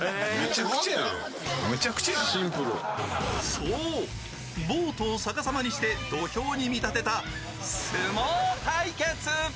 そう、ボートを逆さまにして土俵に見立てた相撲対決。